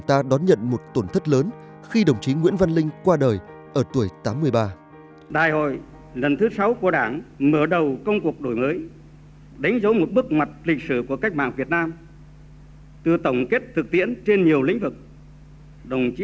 sau một nhiệm kỳ trên cương vị tổng bí thư đồng chí nguyễn văn linh cương quyết rút lui không ra ứng cử tại đại hội bảy dù uy tín trong đảng của đồng chí